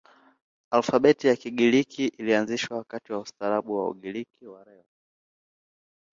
Alfabeti ya Kigiriki ilianzishwa wakati wa ustaarabu wa Ugiriki wa leo.